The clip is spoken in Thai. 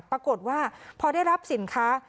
ปรากฏว่าพอได้รับสินค้า